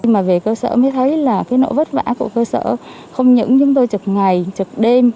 mà về cơ sở mới thấy là cái nỗi vất vả của cơ sở không những chúng tôi trực ngày trực đêm